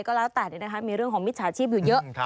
ก็แล้วแต่มีเรื่องของมิจฉาชีพอยู่เยอะ